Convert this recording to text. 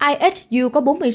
ihu có bốn mươi sáu triệu đồng